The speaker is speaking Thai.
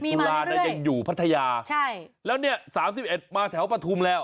ธุราณยังอยู่พัทยาใช่แล้วเนี้ยสามสิบเอ็ดมาแถวประทุมแล้ว